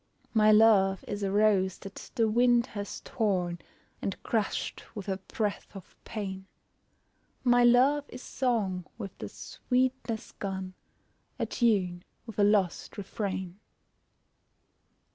My love is a rose that the wind has torn, And crushed with a breath of pain; My love is song with the sweetness gone, A tune with a lost refrain.